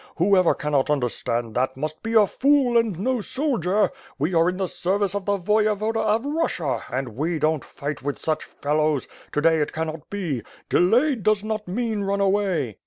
Whoever cannot understand that, must be a fool and no soldier. We are in the service of the Voyevoda of Russia and we don't fight with such fellows, to day it cannot be. Delayed does not mean run away."